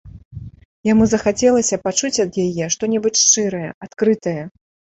Яму захацелася пачуць ад яе што-небудзь шчырае, адкрытае.